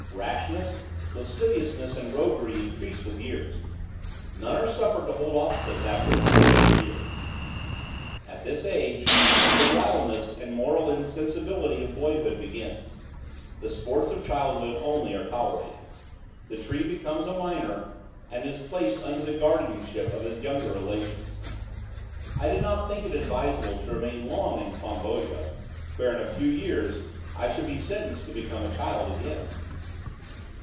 Rashness, lasciviousness and roguery increase with years. None are suffered to hold offices after the fortieth year. At this age, the wildness and moral insensibility of boyhood begins; the sports of childhood, only, are tolerated. The tree becomes a minor, and is placed under the guardianship of his younger relations. I did not think it advisable to remain long in Quamboja, where in a few years, I should be sentenced to become a child again.